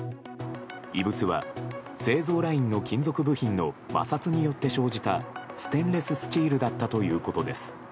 異物は製造ラインの金属部品の摩擦によって生じたステンレススチールだったということです。